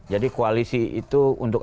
jadi koalisi itu untuk